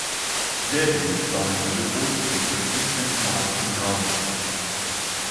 Sehr beliebt waren diese Bootstypen im skandinavischen Raum.